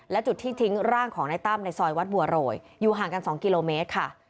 และจุดที่ทิ้งร่างของนายตั้มในซอยวัดบัวโรยอยู่ห่างกัน๒กิโลเมตรค่ะ